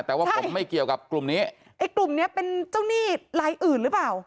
แต่ว่าผมไม่เกี่ยวกับกลุ่มนี้ไอ้กลุ่มเนี้ยเป็นเจ้าหนี้ลายอื่นหรือเปล่า